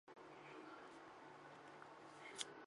这是马特里第一次为尤文图斯进球。